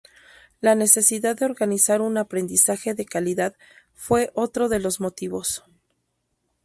La necesidad de organizar un aprendizaje de calidad fue otro de los motivos.